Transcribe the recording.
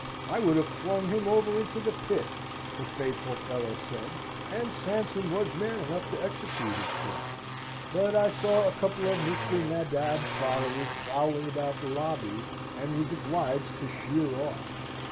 "I would have flung him over into the pit," the faithful fellow said (and Sampson was man enough to execute his threat), "but I saw a couple of Mr. Nadab's followers prowling about the lobby, and was obliged to sheer off."